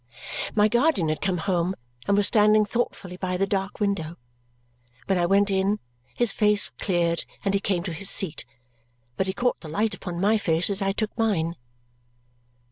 My guardian had come home and was standing thoughtfully by the dark window. When I went in, his face cleared and he came to his seat, but he caught the light upon my face as I took mine.